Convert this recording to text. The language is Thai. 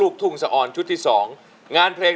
ทุกคนนี้ก็ส่งเสียงเชียร์ทางบ้านก็เชียร์